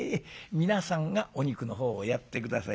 皆さんがお肉の方をやって下さい。